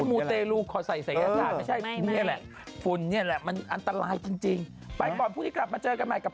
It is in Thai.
วันนี้สวัสดีครับสวัสดีครับ